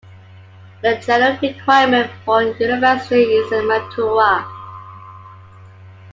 The general requirement for university is the Matura.